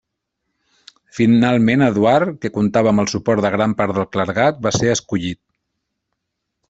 Finalment Eduard, que comptava amb el suport de gran part del clergat, va ser escollit.